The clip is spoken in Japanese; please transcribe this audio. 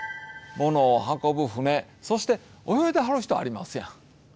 物を運ぶ舟そして泳いではる人ありますやん。